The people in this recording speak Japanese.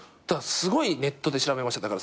すごいネットで調べました